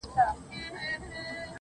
نور به نو څه وکړي مرگی؟ تاته رسوا به سم